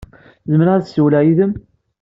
Zemreɣ ad ssiwleɣ yid-m?